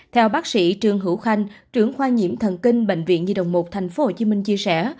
theo bác sĩ trương hữu khanh trưởng khoa nhiễm thần kinh bệnh viện nhi đồng một tp hcm chia sẻ